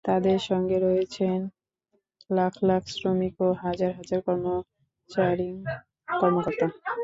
তাঁদের সঙ্গে রয়েছেন লাখ লাখ শ্রমিক ও হাজার হাজার কর্মচারী কর্মকর্তা।